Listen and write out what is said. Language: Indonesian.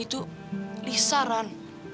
itu lisa ran